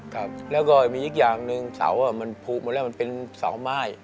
ครับแล้วก็มีอีกอย่างหนึ่งเสาอ่ะมันผูกหมดแล้วมันเป็นเสาไม้